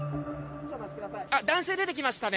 男性が出てきましたね。